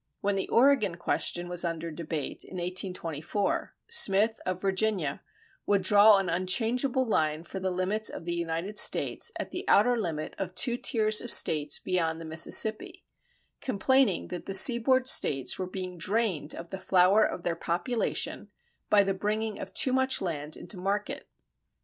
When the Oregon question was under debate, in 1824, Smyth, of Virginia, would draw an unchangeable line for the limits of the United States at the outer limit of two tiers of States beyond the Mississippi, complaining that the seaboard States were being drained of the flower of their population by the bringing of too much land into market.